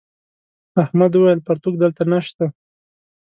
احمد وويل: پرتوگ دلته نشته.